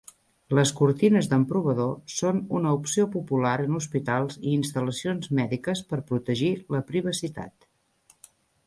Les cortines d'emprovador són una opció popular en hospitals i instal·lacions mèdiques per protegir la privacitat.